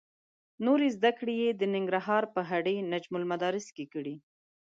نورې زده کړې یې د ننګرهار په هډې نجم المدارس کې کړې.